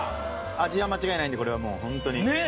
味は間違いないんでこれはもうホントに。